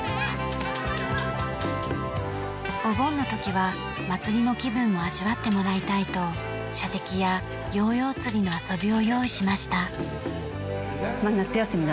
お盆の時は祭りの気分も味わってもらいたいと射的やヨーヨー釣りの遊びを用意しました。